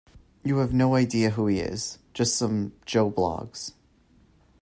I've no idea who he is: just some Joe Bloggs